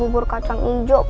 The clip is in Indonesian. oma buruan yike zaki